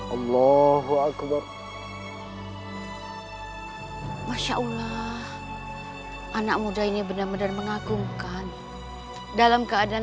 allah masya allah anak muda ini benar benar mengagumkan dalam keadaan